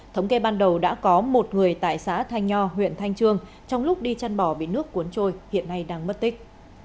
thống kê ban đầu đã có một người tại xã thanh nho huyện thanh trương trong lúc đi chăn bò bị nước cuốn trôi hiện nay đang mất tích